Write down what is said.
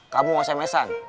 kamu mau sms an